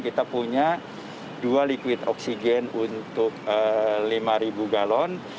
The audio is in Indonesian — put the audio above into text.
kita punya dua liquid oksigen untuk lima galon